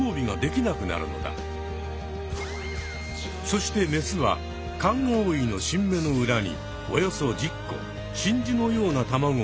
そしてメスはカンアオイの新芽の裏におよそ１０個真珠のような卵を産み付ける。